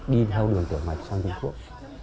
đi theo đường tổ mạch sang trung quốc